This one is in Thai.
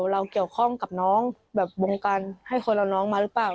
เราเกี่ยวข้องกับน้องแบบวงการให้คนเอาน้องมาหรือเปล่า